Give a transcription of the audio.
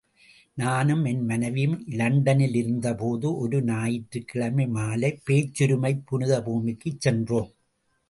நானும் என் மனைவியும் இலண்டனிலிருந்தபோது, ஒரு ஞாயிற்றுக்கிழமை மாலை, பேச்சுரிமைப் புனித பூமிக்குச் சென்றோம்.